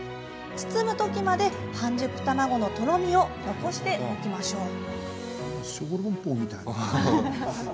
包むときまで半熟卵のとろみを残しておきましょう。